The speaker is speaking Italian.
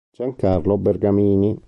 Giancarlo Bergamini